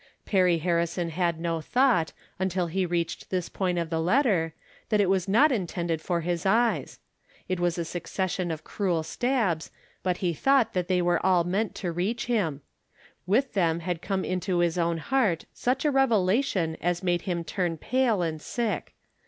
Perry Harrison had no thought, until he reached this point of the letter, that it was not intended for his eyes. It was a succession of cruel stabs, but he thought they were all meant to reach him. With them had come into his own heart such a revelation as made him turn pale and sick.